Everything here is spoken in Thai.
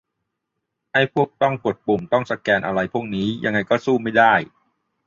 ไอ้พวกต้องกดปุ่ม ต้องสแกน อะไรพวกนี้ยังไงก็สู้ไม่ได้